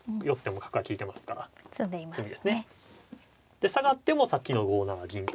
で下がってもさっきの５七銀と。